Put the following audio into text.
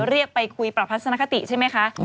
เรียกไปคุยประทัศนคติใช่ไหมคะ